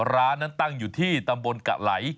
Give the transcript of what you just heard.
ร้านนั้นตั้งอยู่ที่ตำบลกะไหล